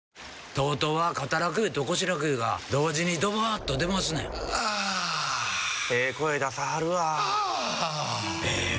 ＴＯＴＯは肩楽湯と腰楽湯が同時にドバーッと出ますねんあええ声出さはるわあええ